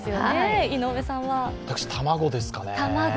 私、卵ですかね。